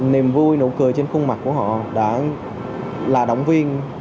niềm vui nụ cười trên khuôn mặt của họ đã là động viên